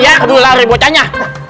ya aduh lari bocanya